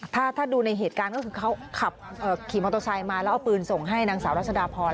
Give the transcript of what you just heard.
ถ้าดูในเหตุการณ์ก็คือเขาขับขี่มอเตอร์ไซค์มาแล้วเอาปืนส่งให้นางสาวรัศดาพร